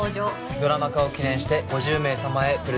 ドラマ化を記念して５０名様へプレゼントします。